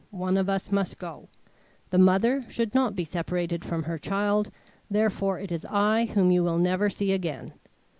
One of us must go. The mother should not be separated from her child. Therefore it is I whom you will never see again.